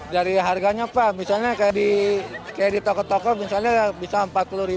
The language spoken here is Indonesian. dari harganya pak misalnya kayak di toko toko misalnya bisa rp empat puluh